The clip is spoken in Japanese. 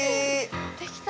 できた！